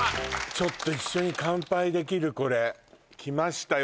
ちょっと一緒にカンパイできるこれきましたよ